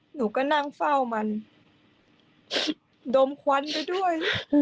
หนูก็นั่งเฝ้ามันดมควันไปด้วย